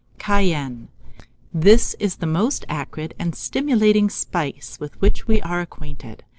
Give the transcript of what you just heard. ] CAYENNE. This is the most acrid and stimulating spice with which we are acquainted.